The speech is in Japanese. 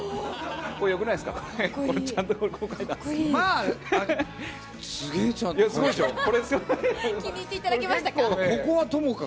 これ、よくないですか。